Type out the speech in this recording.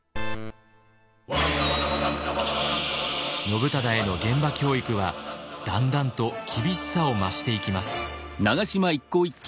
信忠への現場教育はだんだんと厳しさを増していきます。